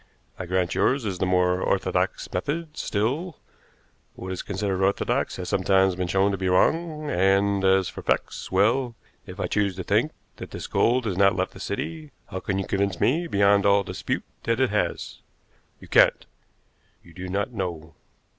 I grant yours is the more orthodox method; still, what is considered orthodox has sometimes been shown to be wrong; and as for facts well, if I choose to think that this gold has not left the city, how can you convince me beyond all dispute that it has? You can't. You do not know.